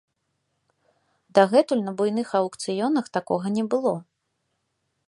Дагэтуль на буйных аўкцыёнах такога не было.